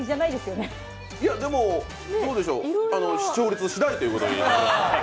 どうでしょう、視聴率次第ということに。